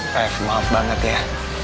ref maaf banget ya